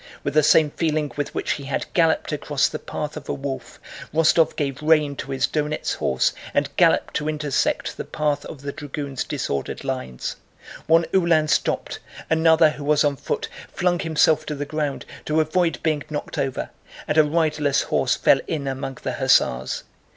With the same feeling with which he had galloped across the path of a wolf, Rostóv gave rein to his Donéts horse and galloped to intersect the path of the dragoons' disordered lines. One Uhlan stopped, another who was on foot flung himself to the ground to avoid being knocked over, and a riderless horse fell in among the hussars.